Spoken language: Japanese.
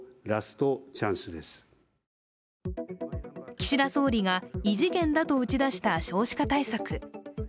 岸田総理が異次元だと打ち出した少子化対策。